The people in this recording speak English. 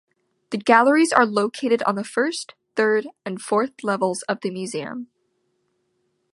The galleries are located on the first, third and fourth levels of the museum.